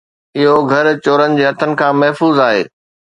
اھو گھر چورن جي ھٿن کان محفوظ آھي